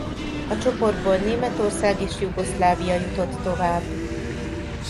A csoportból Németország és Jugoszlávia jutott tovább.